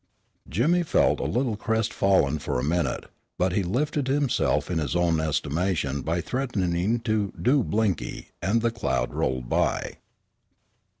Jimmy felt a little crest fallen for a minute, but he lifted himself in his own estimation by threatening to "do" Blinky and the cloud rolled by.